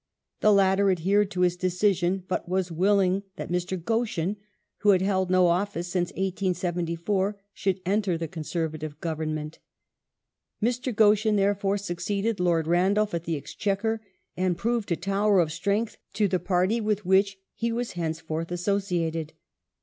The latter adhered to his decision, but was will ing that Mr. Goschen, who had held no office since 1874,' should enter the Conservative Government. Mr. Goschen, therefore, suc ceeded Lord Randolph at the Exchequer and proved a tower of strength to the Party with which he was henceforth associated.